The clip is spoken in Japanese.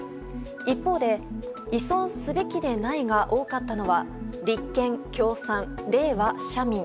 一方で依存すべきでないが多かったのは立憲、共産、れいわ、社民。